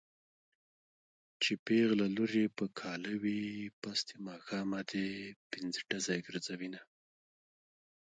چې پېغله لور يې په کاله وي پس د ماښامه دې پنځډزی ګرځوينه